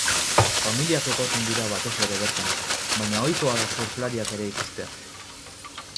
Familiak egoten dira batez ere bertan, baina ohikoa da surflariak ere ikustea.